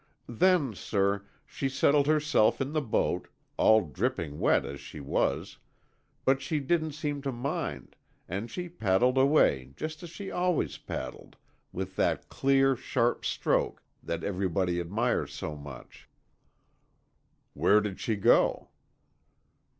"Then, sir, she settled herself in the boat, all dripping wet as she was, but she didn't seem to mind, and she paddled away just as she always paddled, with that clear, sharp stroke that everybody admires so much." "Where did she go?"